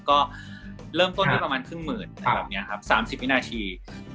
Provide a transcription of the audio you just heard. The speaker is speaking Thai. ก็เริ่มต้นอยู่ที่ประมาณครึ่งหมื่น๓๐วินาที